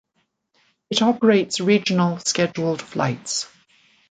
It operates regional scheduled flights.